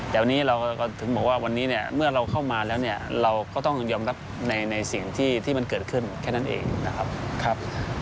แต่วันนี้เราก็ถึงบอกว่าวันนี้เนี่ยเมื่อเราเข้ามาแล้วเนี่ยเราก็ต้องยอมรับในสิ่งที่มันเกิดขึ้นแค่นั้นเองนะครับ